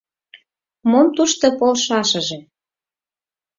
Мом тушто полшашыже.